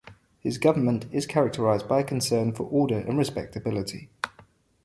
His government is characterized by a concern for order and respectability.